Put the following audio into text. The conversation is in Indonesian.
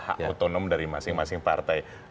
hak otonom dari masing masing partai